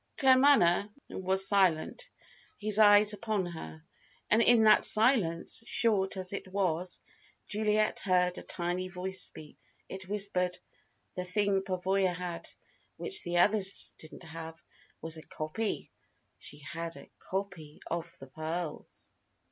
Claremanagh was silent, his eyes upon her. And in that silence, short as it was, Juliet heard a tiny voice speak. It whispered: "The thing Pavoya had, which the other didn't have, was a copy. She had a copy of the pearls."